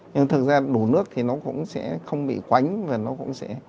nhưng thực ra đủ nước thì nó cũng sẽ không bị quánh và nó cũng sẽ